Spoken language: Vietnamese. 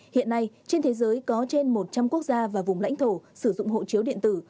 hiện nay trên thế giới có trên một trăm linh quốc gia và vùng lãnh thổ sử dụng hộ chiếu điện tử